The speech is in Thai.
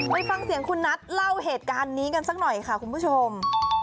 ไปฟังเสียงคุณนัทเล่าเหตุการณ์นี้กันสักหน่อยค่ะคุณผู้ชม